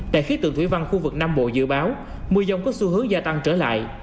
đài khí tượng thủy văn khu vực nam bộ dự báo mưa dông có xu hướng gia tăng trở lại